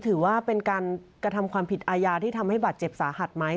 ถือว่าเป็นการกระทำความผิดอาญาที่ทำให้บาดเจ็บสาหัสไหม